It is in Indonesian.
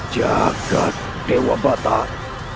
jagat dewa batar